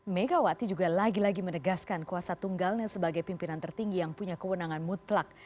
megawati juga lagi lagi menegaskan kuasa tunggalnya sebagai pimpinan tertinggi yang punya kewenangan mutlak